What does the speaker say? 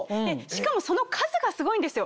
しかもその数がすごいんですよ。